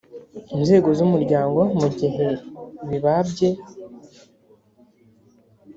inzego z umuryango mu gihe bibabye